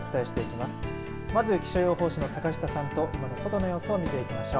まず、気象予報士の坂下さんと今の外の様子を見ていきましょう。